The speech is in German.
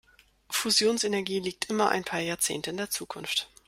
Fusionsenergie liegt immer ein paar Jahrzehnte in der Zukunft.